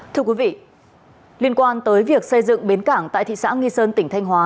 thưa quý vị liên quan tới việc xây dựng bến cảng tại thị xã nghi sơn tỉnh thanh hóa